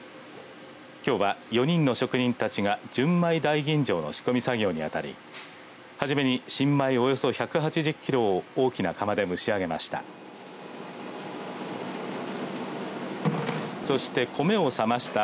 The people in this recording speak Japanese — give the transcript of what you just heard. きょうは４人の職人たちが純米大吟醸の仕込み作業に当たりはじめに新米およそ１８０キロを大きな釜で蒸し上げました。